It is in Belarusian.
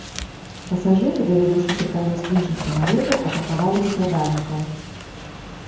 Пасажыры, даведаўшыся пра лёс іншых самалётаў, атакавалі выкрадальнікаў.